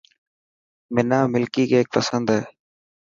حنا ملڪي ڪيڪ پسند هي.